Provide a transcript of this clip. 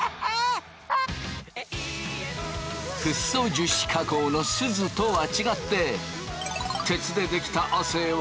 フッ素樹脂加工のすずとは違って。